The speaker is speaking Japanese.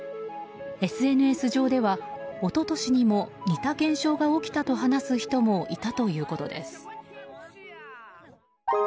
ＳＮＳ上では、一昨年にも似た現象が起きたと話す人もいたということです。